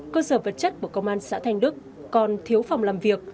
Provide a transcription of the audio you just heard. cơ sở vật chất của công an xã thanh đức còn thiếu phòng làm việc